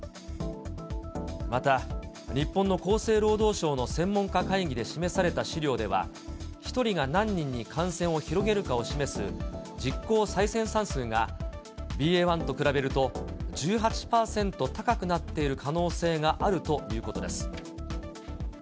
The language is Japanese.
また日本の厚生労働省の専門家会議で示された資料では、１人が何人に感染を広げるかを示す実効再生産数が、ＢＡ．１と比べると１８％高くなっている可能性があるということです。